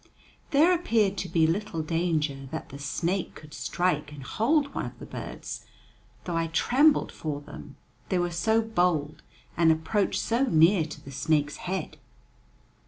There appeared to be little danger that the snake could strike and hold one of the birds, though I trembled for them, they were so bold and approached so near to the snake's head.